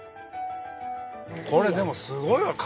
これでもすごいわ数。